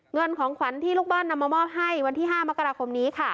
เงินของขวัญที่ลูกบ้านนำมามอบให้วันที่๕มกราคมนี้ค่ะ